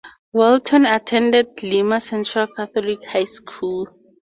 Walton attended Lima Central Catholic High School.